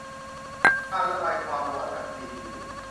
การระบายความร้อนออกจากซีพียู